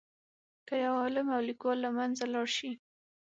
که یو عالم او لیکوال له منځه لاړ شي.